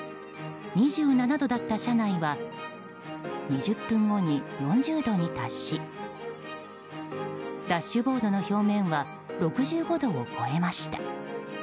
２７度だった車内は２０分後に４０度に達しダッシュボードの表面は６５度を超えました。